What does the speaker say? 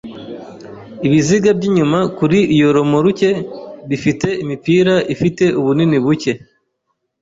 Ibiziga byinyuma kuri iyo romoruki bifite imipira ifite ubunini buke.